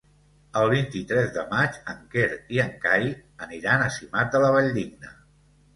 El vint-i-tres de maig en Quer i en Cai aniran a Simat de la Valldigna.